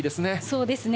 そうですね。